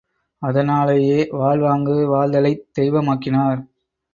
அதனாலேயே வாழ்வாங்கு வாழ்தலைத் தெய்வமாக்கினார்.